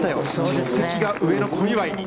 実績が上の小祝に。